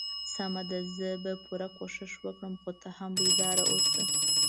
سمه ده زه به پوره کوشش وکړم خو ته هم بیدار اوسه.